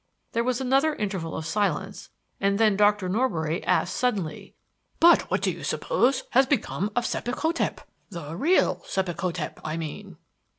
There was another interval of silence, and then Dr. Norbury asked suddenly: "But what do you suppose has become of Sebek hotep? The real Sebek hotep, I mean?"